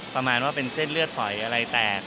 ประมาณว่าเป็นเส้นเลือดฝอยอะไรแตก